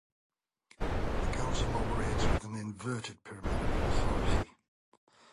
The Council operates with an "inverted" pyramid of authority.